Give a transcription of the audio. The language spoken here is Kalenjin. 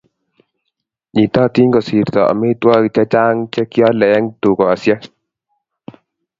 nyitotin kosirto omitwogik chechang che kiole eng dukosiek